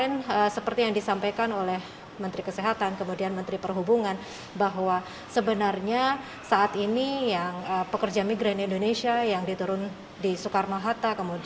asrama haji surabaya jawa timur